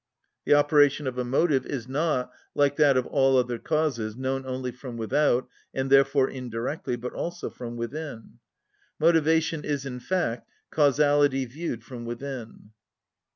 The operation of a motive is not, like that of all other causes, known only from without, and therefore indirectly, but also from within. Motivation is, in fact, causality viewed from within.